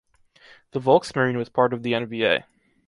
The Volksmarine was part of the N-V-A.